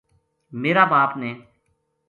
میرا باپ نے